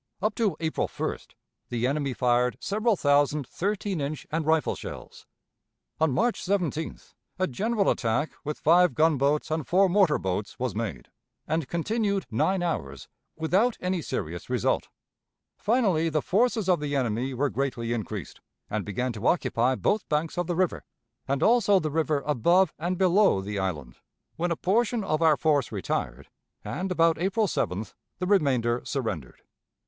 Up to April 1st the enemy fired several thousand thirteen inch and rifle shells. On March 17th a general attack with five gunboats and four mortar boats was made, and continued nine hours, without any serious result. Finally, the forces of the enemy were greatly increased, and began to occupy both banks of the river, and also the river above and below the island, when a portion of our force retired, and about April 7th the remainder surrendered.